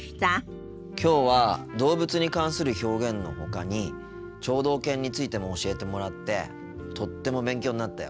きょうは動物に関する表現のほかに聴導犬についても教えてもらってとっても勉強になったよ。